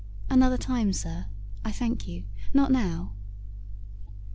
"Another time, Sir, I thank you, not now."